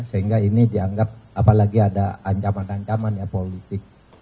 sehingga ini dianggap apalagi ada ancaman ancaman ya politik